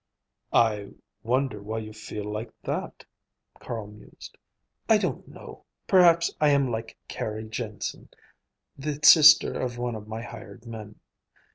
"I wonder why you feel like that?" Carl mused. "I don't know. Perhaps I am like Carrie Jensen, the sister of one of my hired men.